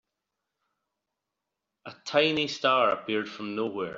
A tiny star appeared from nowhere.